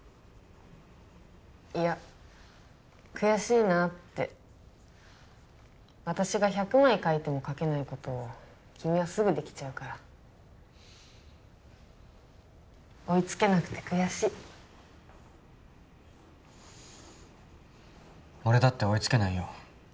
いや悔しいなって私が１００枚描いても描けないことを君はすぐできちゃうから追いつけなくて悔しい俺だって追いつけないよ